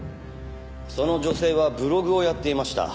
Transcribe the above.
その女性はブログをやっていました。